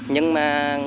nhưng mà nguồn cá tự nhiên